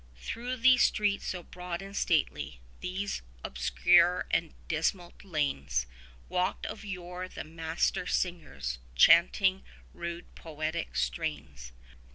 Through these streets so broad and stately, these obscure and dismal lanes, Walked of yore the Master singers, chanting rude poetic strains.